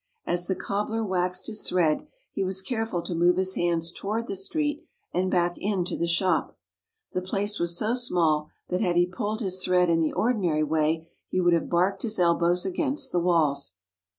As the cobbler waxed his thread he was care ful to move his hands toward the street and back into the shop. The place was so small that had he pulled his thread in the ordinary way he would have barked his elbows against the walls.